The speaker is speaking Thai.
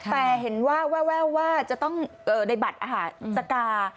แต่เห็นว่าแววว่าจะต้องในบัตรอาหารสกา